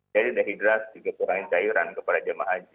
jadi dehidrasi kekurangan cairan kepada jama' haji